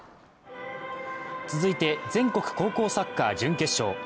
続いて全国高校サッカー準決勝。